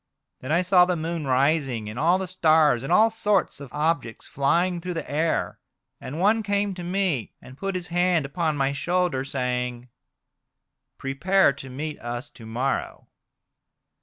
Then I saw the moon rising and all the stars, and all sorts of objects flying through the air. And one came to me, and put his hand upon my shoulder, saying :' Prepare to meet us to morrow.'